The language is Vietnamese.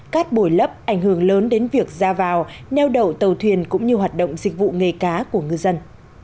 cát bồi lấp ảnh hưởng lớn đến việc ra vào neo đậu tàu thuyền cũng như hoạt động dịch vụ nghề cá của ngư dân